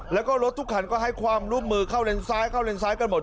แล้วก็รถทุกคันก็ให้ความร่วมมือเข้าเลนซ้ายเข้าเลนซ้ายกันหมด